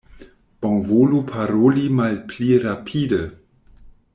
Bonvolu paroli malpli rapide!